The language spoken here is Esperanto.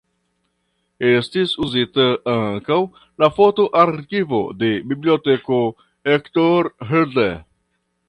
Estis uzita ankaŭ la foto-arkivo de Biblioteko Hector Hodler.